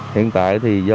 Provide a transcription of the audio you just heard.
hiện tại thì do